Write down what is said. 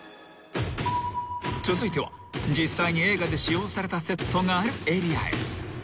［続いては実際に映画で使用されたセットがあるエリアへ］